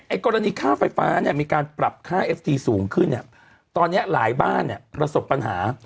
กรณีค่าไฟฟ้าเนี่ยมีการปรับค่าเอฟทีสูงขึ้นเนี่ยตอนเนี้ยหลายบ้านเนี่ยประสบปัญหา